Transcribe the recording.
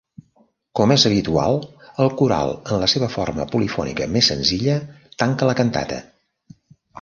Com és habitual el coral, en la seva forma polifònica més senzilla, tanca la cantata.